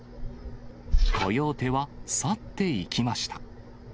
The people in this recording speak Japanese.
コヨーテは去っていきました。